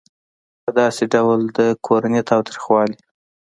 په داسې ډول د کورني تاوتریخوالي